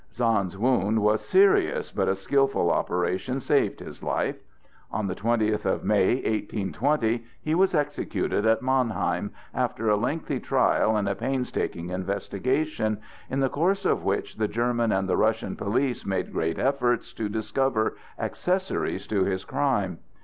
Sand's wound was serious, but a skilful operation saved his life. On the twentieth of May, 1820, he was executed at Mannheim, after a lengthy trial and a painstaking investigation, in the course of which the German and the Russian police made great efforts to discover accessories to his crime.